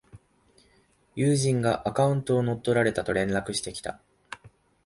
友人がアカウントを乗っ取られたと連絡してきた